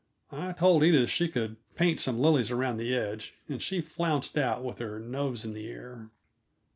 I told Edith she could paint some lilies around the edge, and she flounced out with her nose in the air.